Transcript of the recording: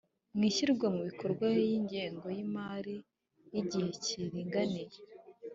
mu ishyirwa mu bikorwa y'ingengo y'imari y'igihe kiringaniye